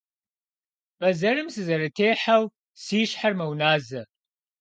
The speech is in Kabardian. Бэзэрым сызэрытехьэу си щхьэр мэуназэ.